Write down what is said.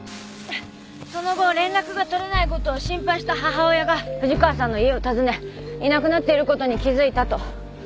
その後連絡がとれないことを心配した母親が藤川さんの家を訪ねいなくなっていることに気づいたと。